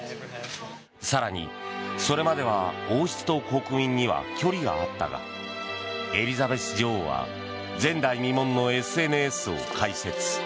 更に、それまでは王室と国民には距離があったがエリザベス女王は前代未聞のＳＮＳを開設。